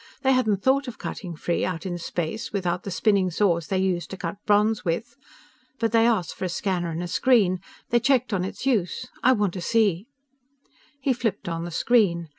They hadn't thought of cutting free, out in space, without the spinning saws they use to cut bronze with. But they asked for a scanner and a screen. They checked on its use. I want to see " He flipped on the screen.